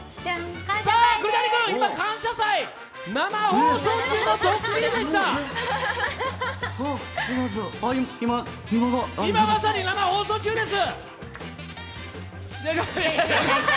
栗谷君、今、「感謝祭」生放送中のドッキリでした今まさに生放送中です。